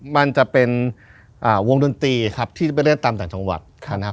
มันจะเป็นวงดนตรีครับที่จะไปเล่นตามต่างจังหวัดนะครับ